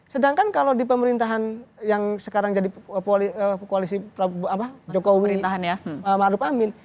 sedangkan kalau di pemerintahan yang sekarang jadi koalisi jokowi